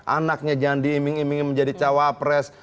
anaknya jangan diiming imingi menjadi cawapres